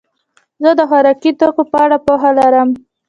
زه د خوراکي توکو په اړه پوهه لرم.